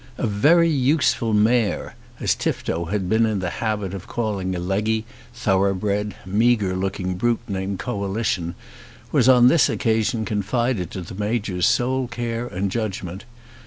"A very useful mare," as Tifto had been in the habit of calling a leggy, thoroughbred, meagre looking brute named Coalition, was on this occasion confided to the Major's sole care and judgment.